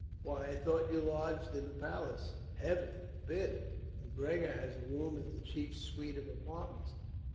"Why, I thought you lodged in the palace?" "Heaven forbid! Macgregor has a room in the chief's suite of apartments.